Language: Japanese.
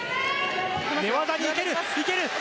寝技に行ける！行ける！